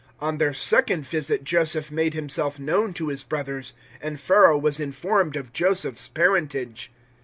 007:013 On their second visit Joseph made himself known to his brothers, and Pharaoh was informed of Joseph's parentage.